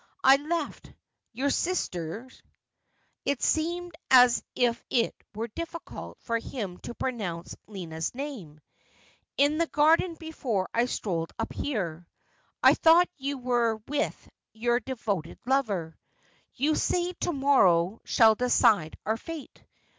I left — your sister' (it seemed as if it were difficult for him to pronounce Lina's name) ' in the garden before I strolled up here. I thought you were with your devoted lover. You say to morrow shall decide our fate.